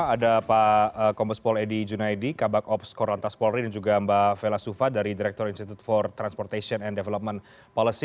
ada pak komus pol edi junaedi kabak ops kor lantas polri dan juga mbak vela suva dari direktur institut for transportation and development policy